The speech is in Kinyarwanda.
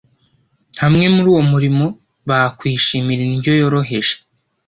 hamwe muri uwo murimo, bakwishimira indyo yoroheje,